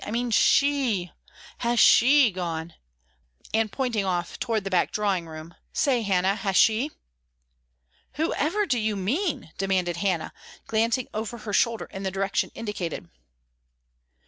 "I mean she, has she gone?" and pointing off toward the back drawing room, "Say, Hannah, has she?" "Whoever do you mean?" demanded Hannah, glancing over her shoulder in the direction indicated.